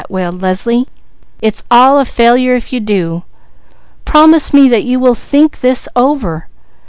wailed Leslie. "It's all a failure if you do! Promise me that you will think this over.